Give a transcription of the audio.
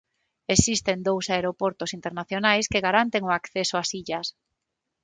Existen dous aeroportos internacionais que garanten o acceso ás illas.